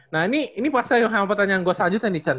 nah ini pas saya mau pertanyaan gue selanjutnya nih cen